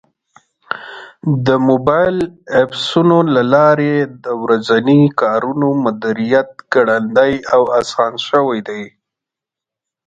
د موبایل ایپسونو له لارې د ورځني کارونو مدیریت ګړندی او اسان شوی دی.